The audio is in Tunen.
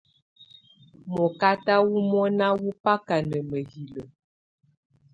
Mɔkata wɔ́ mɔna wɔ́ baka na mǝ́hilǝ́.